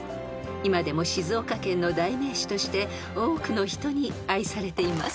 ［今でも静岡県の代名詞として多くの人に愛されています］